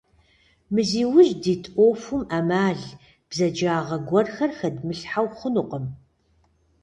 Мы зи ужь дит Ӏуэхум Ӏэмал, бзэджагъэ гуэрхэр хэдмылъхьэу хъунукъым.